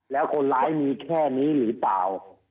แล้วคนร้ายมีแค่นี้หรือเปล่า